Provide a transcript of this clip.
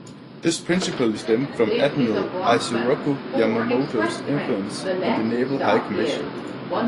This principally stemmed from Admiral Isoroku Yamamoto's influence in the Naval High Commission.